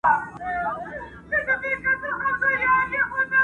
دې وې درد څۀ وي خفګان څۀ ته وایي،